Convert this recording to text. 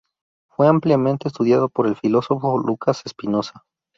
Fue ampliamente estudiado por el filósofo Lucas Espinosa.